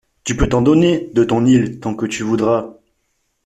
Tu peux t’en donner, de ton île, tant que tu voudras!